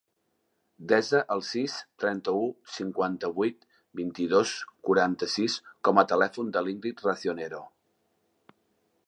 Desa el sis, trenta-u, cinquanta-vuit, vint-i-dos, quaranta-sis com a telèfon de l'Íngrid Racionero.